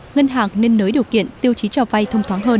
ngân hàng nên nới điều kiện tiêu chí cho vay thông thoáng hơn